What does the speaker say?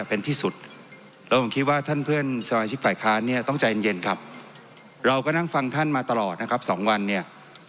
ตอนนี้ท่านจองชัย